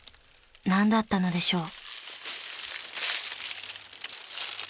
何だったのでしょう］